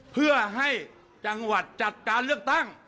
เพื่อให้จังหวัดจัดการเลือกตั้ง